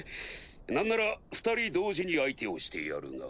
何なら２人同時に相手をしてやるが。